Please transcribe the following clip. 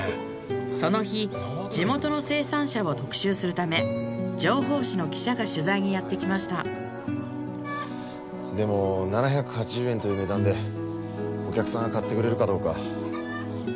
その日地元の生産者を特集するため情報誌の記者が取材にやって来ましたでも７８０円という値段でお客さんが買ってくれるかどうか。